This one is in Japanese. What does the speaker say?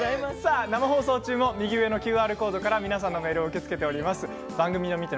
生放送中も上のＱＲコードからメッセージを受け付けています。